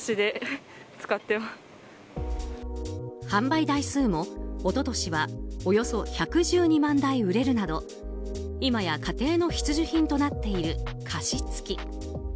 販売台数は一昨年はおよそ１１２万台売れるなど今や家庭の必需品となっている加湿器。